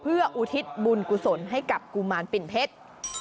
เพื่ออุทิศบุญกุศลให้กับกุมารปิ่นเพชร